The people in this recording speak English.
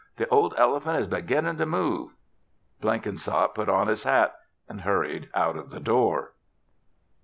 The old elephant is beginnin' to move." Blenkinsop put on his hat and hurried out of the door.